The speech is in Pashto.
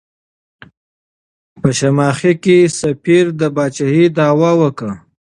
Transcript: په شماخي کې سفیر د پاچاهۍ دعوه وکړه.